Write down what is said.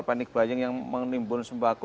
panik bayang yang menimbul sembahaku